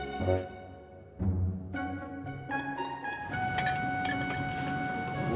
bos sedang sakit